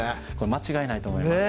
間違いないと思います